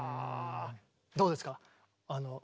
どうですか？